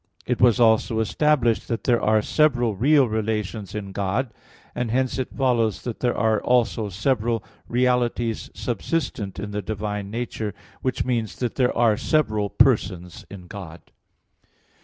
It was also established (Q. 28, A. 1) that there are several real relations in God; and hence it follows that there are also several realities subsistent in the divine nature; which means that there are several persons in God.